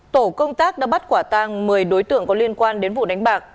tổ công tác đã bắt quả tang một mươi đối tượng có liên quan đến vụ đánh bạc